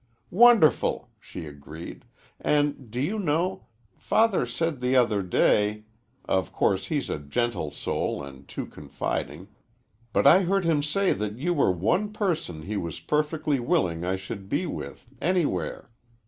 "Wonderful!" she agreed, "and, do you know, Father said the other day of course, he's a gentle soul and too confiding but I heard him say that you were one person he was perfectly willing I should be with, anywhere.